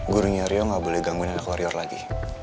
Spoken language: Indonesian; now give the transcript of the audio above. gurunya rio nggak boleh gangguin anak warrior lagi